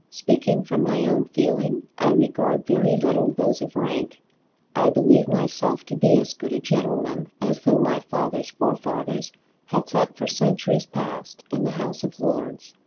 Speaking from my own feeling I regard very little those of rank. I believe myself to be as good a gentleman as though my father's forefathers had sat for centuries past in the House of Lords.